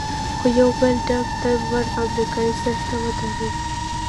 خو یو بل ډنګ، تن ور امریکایي سر ته ودرېد.